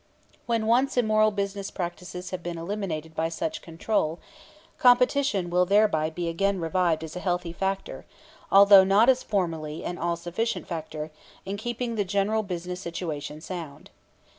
When once immoral business practices have been eliminated by such control, competition will thereby be again revived as a healthy factor, although not as formerly an all sufficient factor, in keeping the general business situation sound.